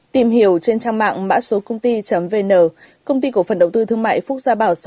tìm hiểu trên trang mạng mã số công ty vn công ty của phần động tư thương mại phúc gia bảo sáu mươi tám